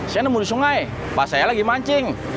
saya nemu di sungai pas saya lagi mancing